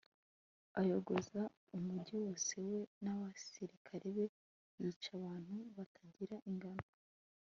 ayogoza umugi wose we n'abasirikare be, yica abantu batagira ingano